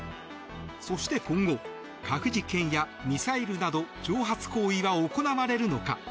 そして今後核実験やミサイルなど挑発行為は行われるのか。